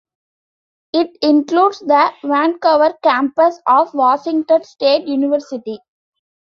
It includes the Vancouver campus of Washington State University.